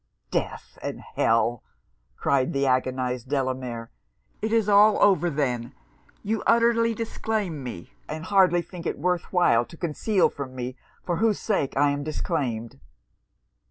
'Death and hell!' cried the agonized Delamere 'It is all over then! You utterly disclaim me, and hardly think it worth while to conceal from me for whose sake I am disclaimed!'